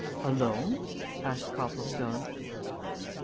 "Alone?" asked Copplestone.